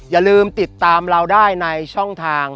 อย่าลืมติดตามเราได้ในช่องทาง